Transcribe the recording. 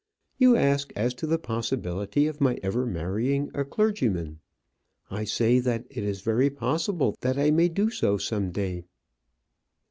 You ask as to the possibility of my ever marrying a clergyman; I say that it is very possible that I may do so some day."